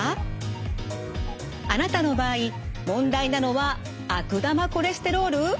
あなたの場合問題なのは悪玉コレステロール？